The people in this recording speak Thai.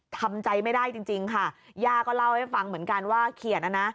ทำใจไม่ได้จริงจริงค่ะย่าก็เล่าให้ฟังเหมือนกันว่าเขียนอ่ะนะ